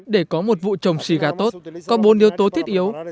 để có một vụ trồng xì gà tốt có bốn yếu tố thiết yếu